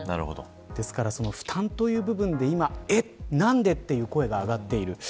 ですからその負担という部分で今、何でという声が上がっている。